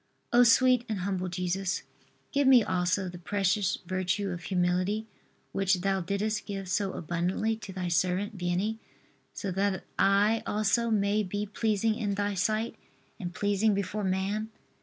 O sweet and humble Jesus, give me also the precious virtue of humility, which Thou didst give so abundantly to Thy servant Vianney, so that I also may be pleasing in Thy sight and pleasing before man.